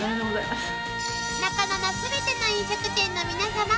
［中野の全ての飲食店の皆さま。